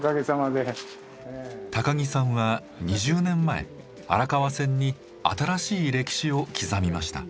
木さんは２０年前荒川線に新しい歴史を刻みました。